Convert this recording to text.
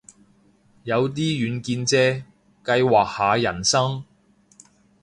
有啲遠見啫，計劃下人生